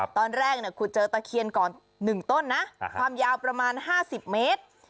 ตอนแรกเนี้ยขุดเจอตะเคียนก่อนหนึ่งต้นนะความยาวประมาณห้าสิบเมตร